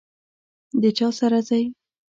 د چا سره ځئ؟